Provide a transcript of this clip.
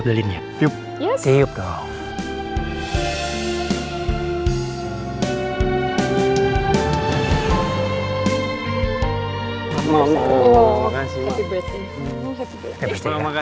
paling males disuruh foto